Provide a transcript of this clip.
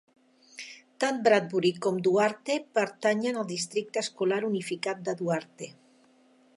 Tant Bradbury com Duarte pertanyen al districte escolar unificat de Duarte.